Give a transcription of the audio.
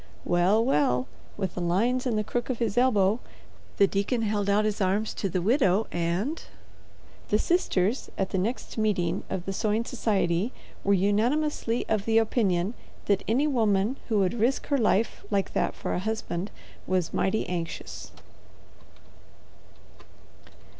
Well, well, with the lines in the crook of his elbow the deacon held out his arms to the widow and——. The sisters at the next meeting of the Sewing Society were unanimously of the opinion that any woman who would risk her life like that for a husband was mighty anxious.